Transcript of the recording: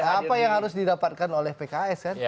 apa yang harus didapatkan oleh pks kan